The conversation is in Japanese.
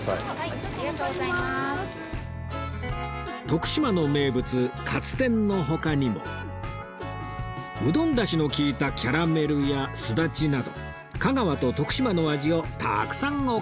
徳島の名物かつ天の他にもうどんだしの利いたキャラメルやすだちなど香川と徳島の味をたくさんお買い上げ